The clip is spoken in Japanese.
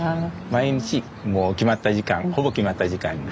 毎日もう決まった時間ほぼ決まった時間に。